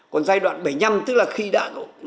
còn giai đoạn bảy mươi năm tức là khi đã